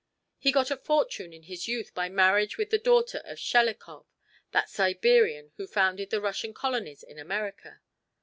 He got a fortune in his youth by marriage with a daughter of Shelikov that Siberian who founded the Russian colonies in America.